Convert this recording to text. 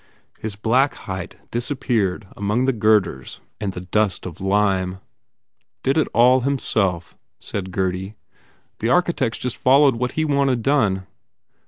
His black height disappeared among the girders and the dust of lime. "Did it all himself," said Gurdy. "The archi tects just followed what he wanted done.